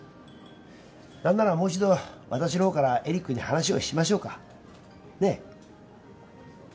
何ならもう一度私のほうからエリックに話をしましょうかねえ？